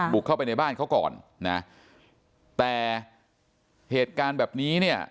บุกเข้าไปในบ้านเขาก่อนนะแต่เหตุการณ์แบบนี้เนี่ย